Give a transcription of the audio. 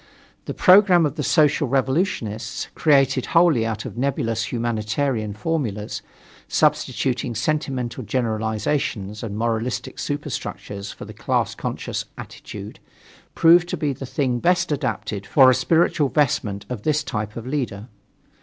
The programme of the Social Revolutionists created wholly out of nebulous humanitarian formulas, substituting sentimental generalizations and moralistic superstructures for a class conscious attitude, proved to be the thing best adapted for a spiritual vestment of this type of leaders.